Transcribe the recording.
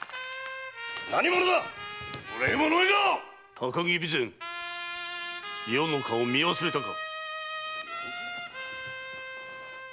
高木備前余の顔を見忘れたか。